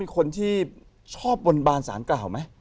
คนที่ชอบบนบานสารกล่าวไหม